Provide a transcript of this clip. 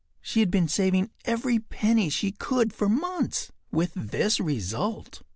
She had been saving every penny she could for months, with this result.